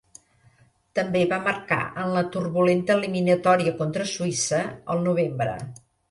També va marcar en la turbulenta eliminatòria contra Suïssa, el novembre.